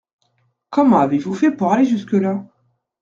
Comment avez-vous fait pour aller jusque là ?